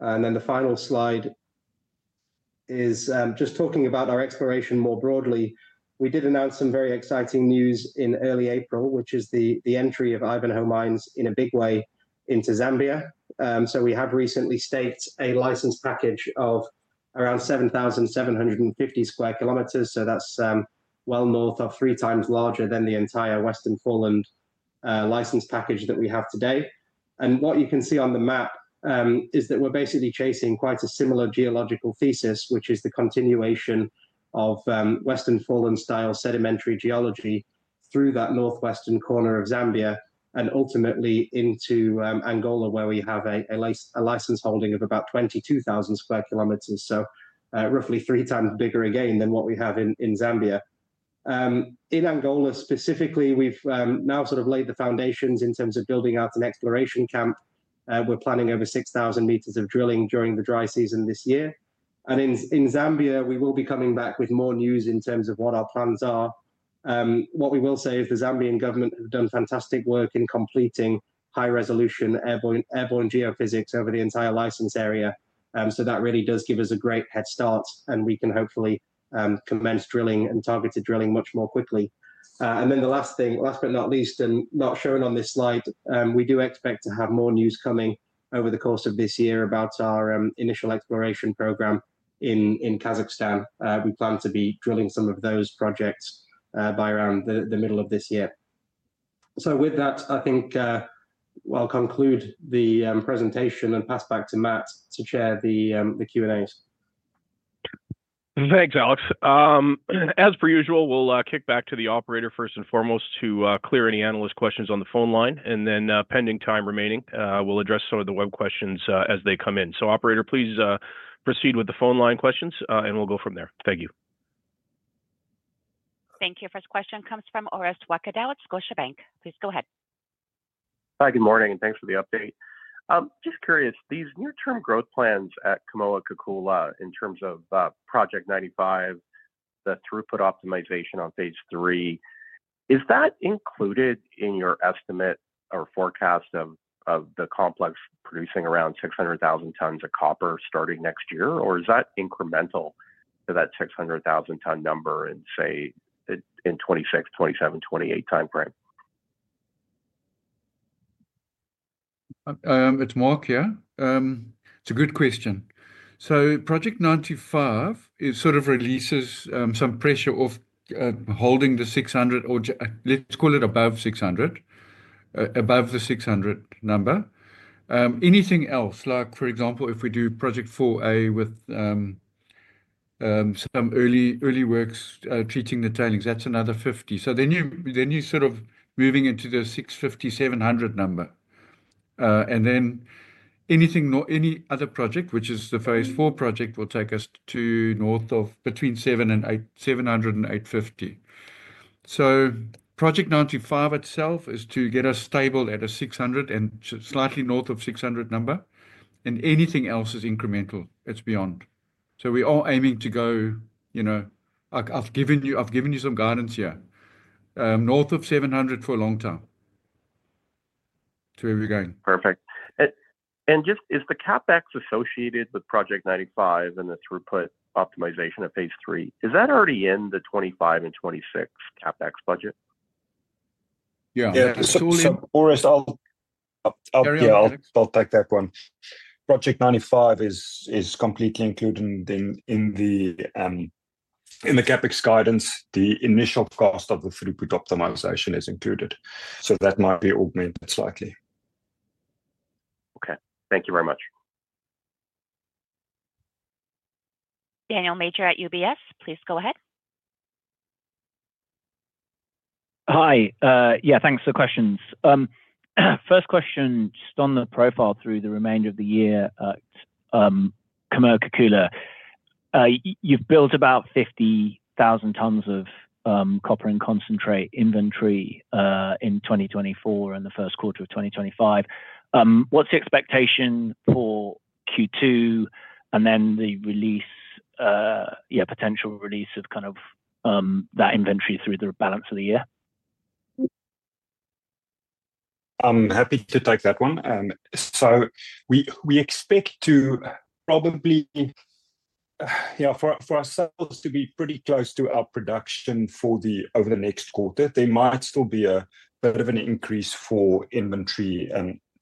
F: The final slide is just talking about our exploration more broadly. We did announce some very exciting news in early April, which is the entry of Ivanhoe Mines in a big way into Zambia. We have recently staked a license package of around 7,750 sq km. That is well north of three times larger than the entire Western Forelands license package that we have today. What you can see on the map is that we are basically chasing quite a similar geological thesis, which is the continuation of Western Forelands style sedimentary geology through that northwestern corner of Zambia and ultimately into Angola, where we have a license holding of about 22,000 sq km. That is roughly three times bigger again than what we have in Zambia. In Angola specifically, we have now sort of laid the foundations in terms of building out an exploration camp. We are planning over 6,000 meters of drilling during the dry season this year. In Zambia, we will be coming back with more news in terms of what our plans are. What we will say is the Zambian government have done fantastic work in completing high-resolution airborne geophysics over the entire license area. That really does give us a great head start. We can hopefully commence drilling and targeted drilling much more quickly. The last thing, last but not least, and not shown on this slide, we do expect to have more news coming over the course of this year about our initial exploration program in Kazakhstan. We plan to be drilling some of those projects by around the middle of this year. With that, I think I'll conclude the presentation and pass back to Matt to share the Q&As.
B: Thanks, Alex. As per usual, we'll kick back to the operator first and foremost to clear any analyst questions on the phone line. Pending time remaining, we'll address some of the web questions as they come in. Operator, please proceed with the phone line questions, and we'll go from there. Thank you.
A: Thank you. First question comes from Orest Wowkodaw at Scotiabank. Please go ahead.
H: Hi, good morning, and thanks for the update. Just curious, these near-term growth plans at Kamoa-Kakula in terms of Project 95, the throughput optimization on Phase 3, is that included in your estimate or forecast of the complex producing around 600,000 tons of copper starting next year? Or is that incremental to that 600,000-ton number in, say, in 2026, 2027, 2028 timeframe?
G: It's Mark, yeah. It's a good question. Project 95 sort of releases some pressure off holding the 600, or let's call it above 600, above the 600 number. Anything else, like for example, if we do Project 4A with some early works treating the tailings, that's another 50. You are sort of moving into the 650-700 number. Any other project, which is the Phase 4 project, will take us to north of between 700 and 850. Project 95 itself is to get us stable at a 600 and slightly north of 600 number. Anything else is incremental. It's beyond. We are aiming to go, I've given you some guidance here. North of 700 for a long time. Where are we going?
H: Perfect. Just, is the CapEx associated with Project 95 and the throughput optimization of Phase 3, is that already in the 2025 and 2026 CapEx budget?
G: Yeah.
D: Yeah.
E: Orest, I'll take that one. Project 95 is completely included in the CapEx guidance. The initial cost of the throughput optimization is included. That might be augmented slightly.
H: Okay. Thank you very much.
A: Daniel Major at UBS. Please go ahead.
I: Hi. Yeah, thanks for the questions. First question, just on the profile through the remainder of the year at Kamoa-Kakula. You've built about 50,000 tons of copper in concentrate inventory in 2024 and the first quarter of 2025. What's the expectation for Q2 and then the release, yeah, potential release of kind of that inventory through the balance of the year?
E: I'm happy to take that one. We expect to probably, yeah, for ourselves to be pretty close to our production for the over the next quarter. There might still be a bit of an increase for inventory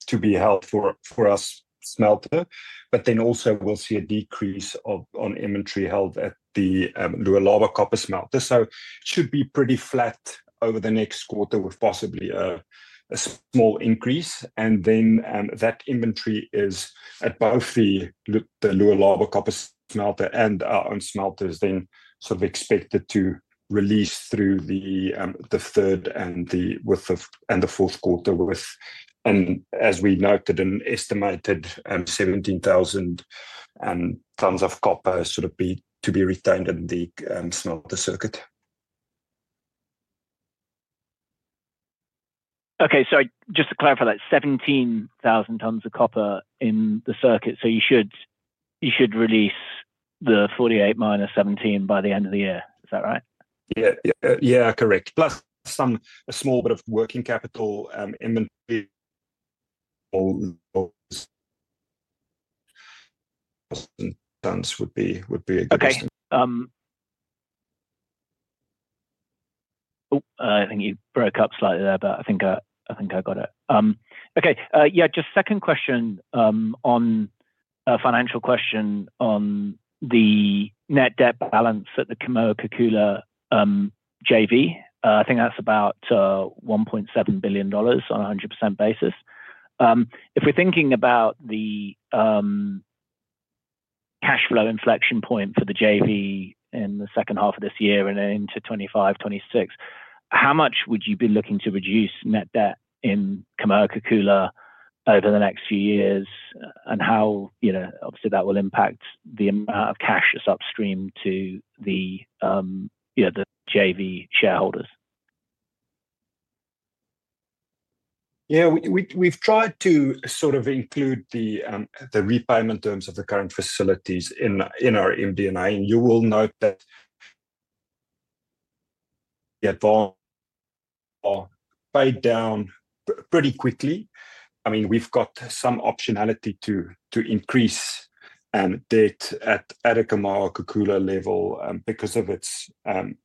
E: to be held for our smelter. We will also see a decrease on inventory held at the Lualaba Copper Smelter. It should be pretty flat over the next quarter with possibly a small increase. That inventory at both the Lualaba Copper Smelter and our own smelter is then sort of expected to release through the third and the fourth quarter with, as we noted, an estimated 17,000 tons of copper sort of to be retained in the smelter circuit.
I: Okay. Just to clarify that, 17,000 tons of copper in the circuit. You should release the 48 - 17 by the end of the year. Is that right?
E: Yeah. Yeah, correct. Plus a small bit of working capital inventory. Tons would be good.
I: Okay. Oh, I think you broke up slightly there, but I think I got it. Okay. Yeah, just second question on a financial question on the net debt balance at the Kamoa-Kakula JV. I think that's about $1.7 billion on a 100% basis. If we're thinking about the cash flow inflection point for the JV in the second half of this year and into 2025, 2026, how much would you be looking to reduce net debt in Kamoa-Kakula over the next few years? And how, obviously, that will impact the amount of cash that's upstream to the JV shareholders?
E: Yeah. We've tried to sort of include the repayment terms of the current facilities in our MD&A. You will note that the advance paid down pretty quickly. I mean, we've got some optionality to increase debt at a Kamoa-Kakula level because of its cash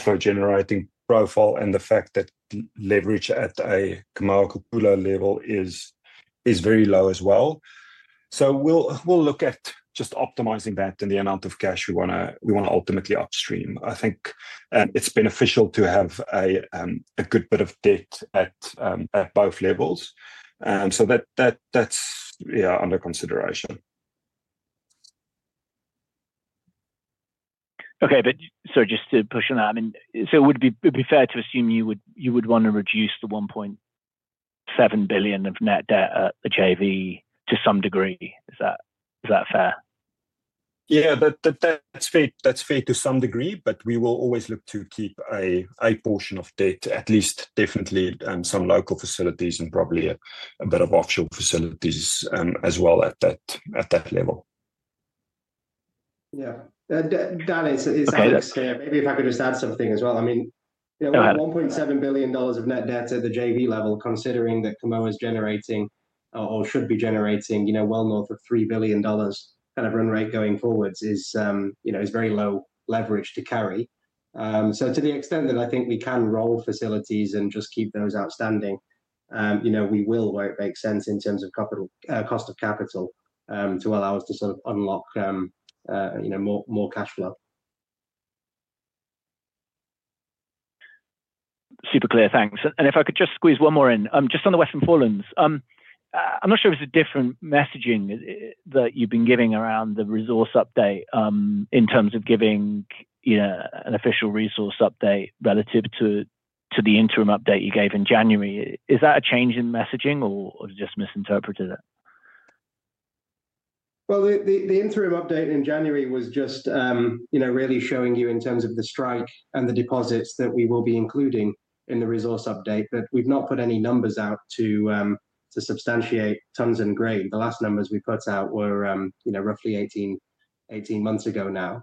E: flow generating profile and the fact that leverage at a Kamoa-Kakula level is very low as well. We'll look at just optimizing that and the amount of cash we want to ultimately upstream. I think it's beneficial to have a good bit of debt at both levels. That's under consideration.
I: Okay. Just to push on that, I mean, it would be fair to assume you would want to reduce the $1.7 billion of net debt at the JV to some degree. Is that fair?
E: Yeah, that's fair to some degree, but we will always look to keep a portion of debt, at least definitely some local facilities and probably a bit of offshore facilities as well at that level.
F: Yeah. That is, Alex, maybe if I could just add something as well. I mean, $1.7 billion of net debt at the JV level, considering that Kamoa is generating or should be generating well north of $3 billion kind of run rate going forwards, is very low leverage to carry. To the extent that I think we can roll facilities and just keep those outstanding, we will, where it makes sense in terms of cost of capital to allow us to sort of unlock more cash flow.
I: Super clear. Thanks. If I could just squeeze one more in, just on the Western Forelands, I'm not sure it was a different messaging that you've been giving around the resource update in terms of giving an official resource update relative to the interim update you gave in January. Is that a change in messaging, or have I just misinterpreted it?
F: The interim update in January was just really showing you in terms of the strike and the deposits that we will be including in the resource update, but we've not put any numbers out to substantiate tons and grade. The last numbers we put out were roughly 18 months ago now.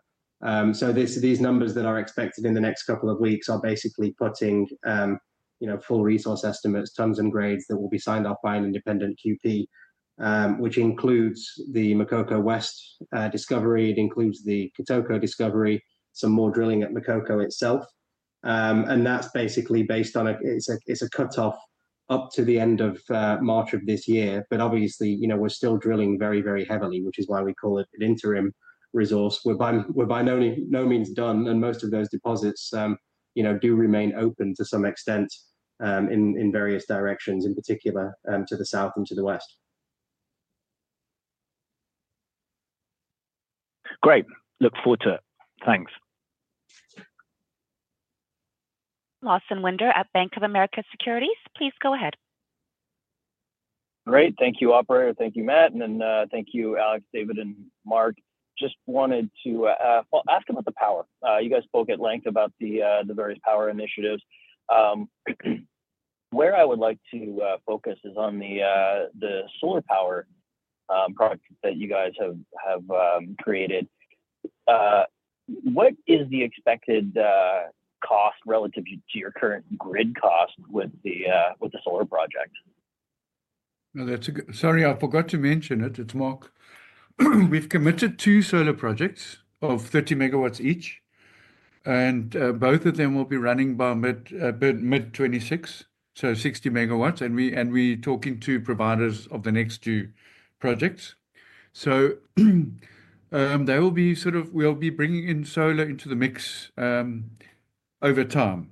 F: These numbers that are expected in the next couple of weeks are basically putting full resource estimates, tons and grades that will be signed off by an independent QP, which includes the Makoko West discovery. It includes the Kitoko discovery, some more drilling at Makoko itself. That's basically based on a cutoff up to the end of March of this year. Obviously, we're still drilling very, very heavily, which is why we call it an interim resource. We're by no means done. Most of those deposits do remain open to some extent in various directions, in particular to the south and to the west.
I: Great. Look forward to it. Thanks.
A: Lawson Winder at Bank of America Securities. Please go ahead.
J: Great. Thank you, operator. Thank you, Matt. Thank you, Alex, David, and Mark. Just wanted to ask about the power. You guys spoke at length about the various power initiatives. Where I would like to focus is on the solar power project that you guys have created. What is the expected cost relative to your current grid cost with the solar project?
G: Sorry, I forgot to mention it. It's Mark. We've committed to two solar projects of 30 MW each. Both of them will be running by mid-2026, so 60 MW. We're talking to providers of the next two projects. They will be sort of, we'll be bringing in solar into the mix over time.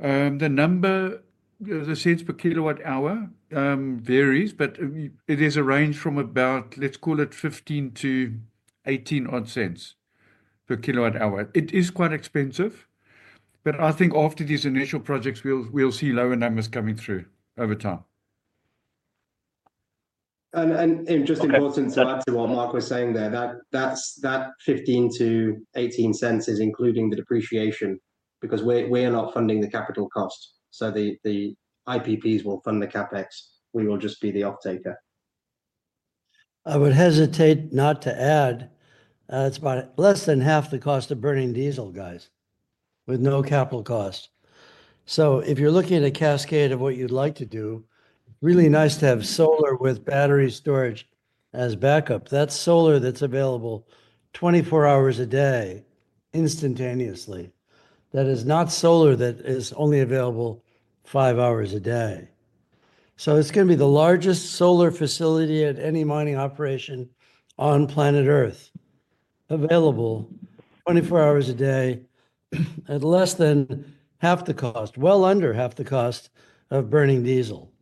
G: The number, the cents per kilowatt hour, varies, but it is a range from about, let's call it $0.15-$0.18 per kilowatt hour. It is quite expensive. I think after these initial projects, we'll see lower numbers coming through over time.
F: Just in response to what Mark was saying there, that $0.15-$0.18 is including the depreciation because we're not funding the capital cost. The IPPs will fund the CapEx. We will just be the off-taker.
C: I would hesitate not to add. It's about less than half the cost of burning diesel, guys, with no capital cost. If you're looking at a cascade of what you'd like to do, really nice to have solar with battery storage as backup. That's solar that's available 24 hours a day instantaneously. That is not solar that is only available five hours a day. It is going to be the largest solar facility at any mining operation on planet Earth available 24 hours a day at less than half the cost, well under half the cost of burning diesel.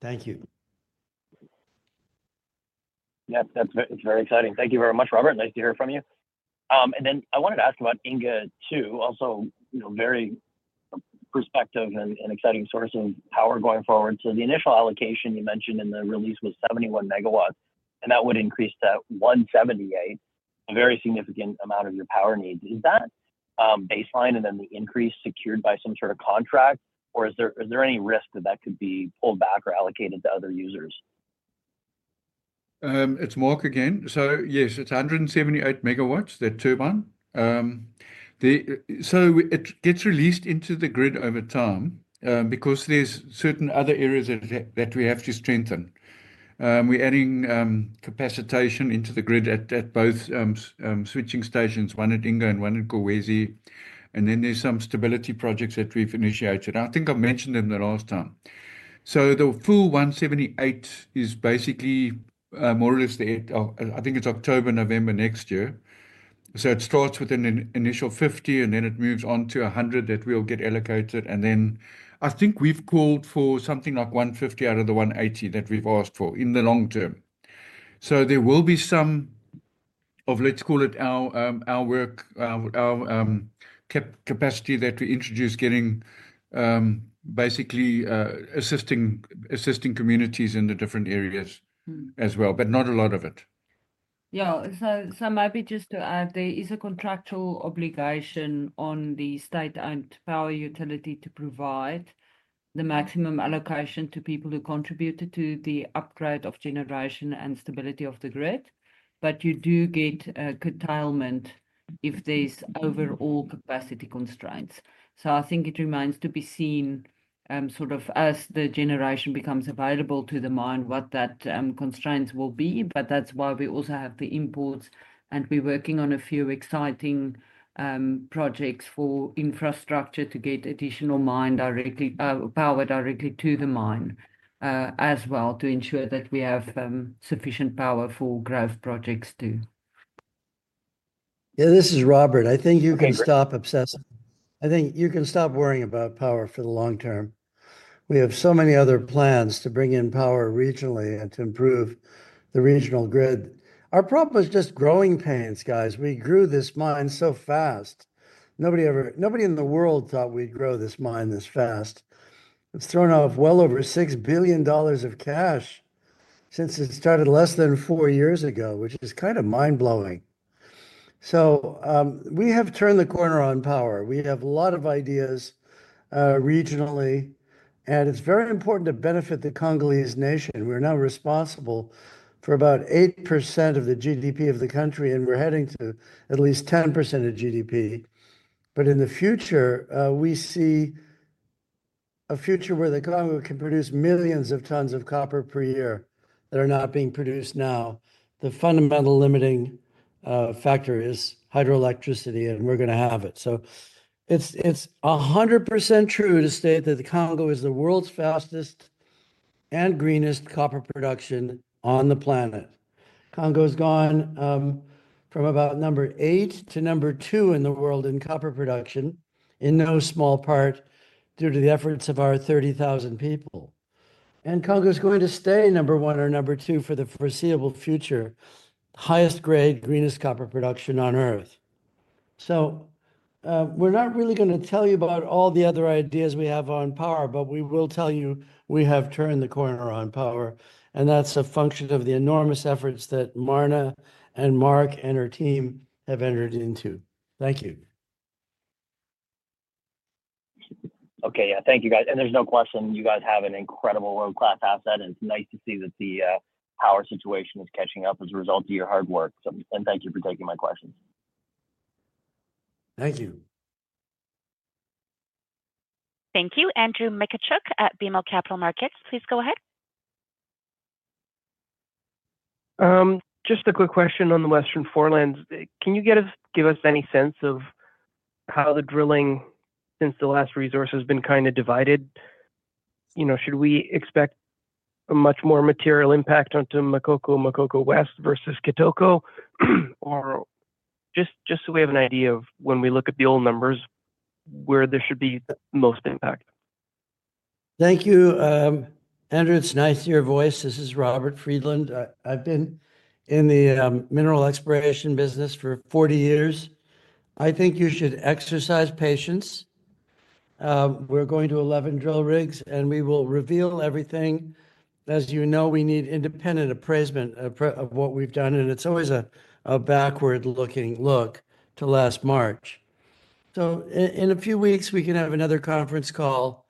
C: Thank you.
J: Yep. That's very exciting. Thank you very much, Robert. Nice to hear from you. I wanted to ask about Inga II, also very prospective and exciting source of power going forward. The initial allocation you mentioned in the release was 71 MW, and that would increase to 178, a very significant amount of your power needs. Is that baseline and then the increase secured by some sort of contract, or is there any risk that that could be pulled back or allocated to other users?
G: It's Mark again. Yes, it's 178 MW. They're turbine. It gets released into the grid over time because there are certain other areas that we have to strengthen. We're adding capacitation into the grid at both switching stations, one at Inga and one at Kolwezi. There are some stability projects that we've initiated. I think I mentioned them the last time. The full 178 is basically more or less the, I think it's October, November next year. It starts with an initial 50, and then it moves on to 100 that we'll get allocated. I think we've called for something like 150 out of the 180 that we've asked for in the long term. There will be some of, let's call it our work, our capacity that we introduce, getting basically assisting communities in the different areas as well, but not a lot of it.
D: Yeah. Maybe just to add, there is a contractual obligation on the state-owned power utility to provide the maximum allocation to people who contributed to the upgrade of generation and stability of the grid. You do get a curtailment if there are overall capacity constraints. I think it remains to be seen sort of as the generation becomes available to the mine, what those constraints will be. That is why we also have the imports. We are working on a few exciting projects for infrastructure to get additional power directly to the mine as well to ensure that we have sufficient power for growth projects too.
C: Yeah, this is Robert. I think you can stop obsessing. I think you can stop worrying about power for the long term. We have so many other plans to bring in power regionally and to improve the regional grid. Our problem was just growing pains, guys. We grew this mine so fast. Nobody in the world thought we'd grow this mine this fast. We've thrown off well over $6 billion of cash since it started less than four years ago, which is kind of mind-blowing. We have turned the corner on power. We have a lot of ideas regionally, and it's very important to benefit the Congolese nation. We're now responsible for about 8% of the GDP of the country, and we're heading to at least 10% of GDP. In the future, we see a future where the Congo can produce millions of tons of copper per year that are not being produced now. The fundamental limiting factor is hydroelectricity, and we're going to have it. It is 100% true to state that the Congo is the world's fastest and greenest copper production on the planet. Congo has gone from about number eight to number two in the world in copper production in no small part due to the efforts of our 30,000 people. Congo is going to stay number one or number two for the foreseeable future, highest grade, greenest copper production on Earth. We are not really going to tell you about all the other ideas we have on power, but we will tell you we have turned the corner on power. That is a function of the enormous efforts that Marna and Mark and her team have entered into. Thank you.
J: Okay. Yeah. Thank you, guys. There is no question. You guys have an incredible world-class asset. It is nice to see that the power situation is catching up as a result of your hard work. Thank you for taking my questions.
C: Thank you.
A: Thank you. Andrew Mikitchook at BMO Capital Markets. Please go ahead.
K: Just a quick question on the Western Forelands. Can you give us any sense of how the drilling since the last resource has been kind of divided? Should we expect a much more material impact onto Makoko, Makoko West versus Kitoko? Or just so we have an idea of when we look at the old numbers, where there should be the most impact?
C: Thank you. Andrew, it's nice to hear your voice. This is Robert Friedland. I've been in the mineral exploration business for 40 years. I think you should exercise patience. We're going to 11 drill rigs, and we will reveal everything. As you know, we need independent appraisement of what we've done. It's always a backward-looking look to last March. In a few weeks, we can have another conference call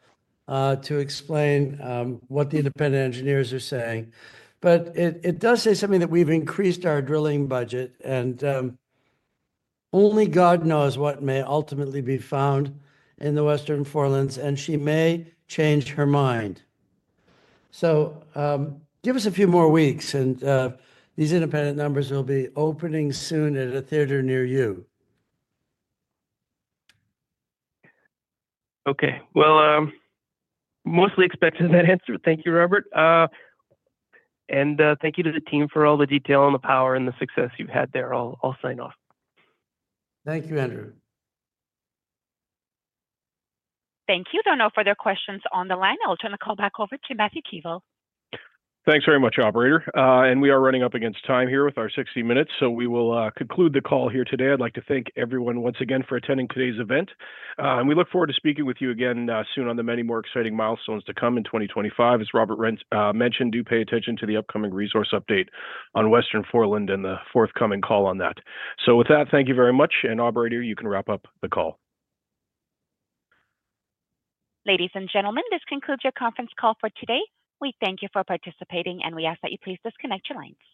C: to explain what the independent engineers are saying. It does say something that we've increased our drilling budget, and only God knows what may ultimately be found in the Western Forelands, and she may change her mind. Give us a few more weeks, and these independent numbers will be opening soon at a theater near you.
K: Mostly expected that answer. Thank you, Robert. And thank you to the team for all the detail and the power and the success you've had there. I'll sign off.
C: Thank you, Andrew.
A: Thank you. There are no further questions on the line. I'll turn the call back over to Matthew Keevil.
B: Thanks very much, operator. We are running up against time here with our 60 minutes, so we will conclude the call here today. I'd like to thank everyone once again for attending today's event. We look forward to speaking with you again soon on the many more exciting milestones to come in 2025. As Robert mentioned, do pay attention to the upcoming resource update on Western Foreland and the forthcoming call on that. With that, thank you very much. Operator, you can wrap up the call.
A: Ladies and gentlemen, this concludes your conference call for today. We thank you for participating, and we ask that you please disconnect your lines.